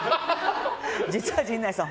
実は陣内さん